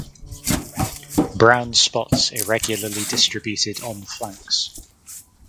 Brown spots irregularly distributed on flanks.